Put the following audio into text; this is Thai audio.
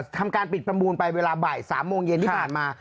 ทำการปิดประมูลไปเวลาบ่าย๓โมงเย็นที่ผ่านมา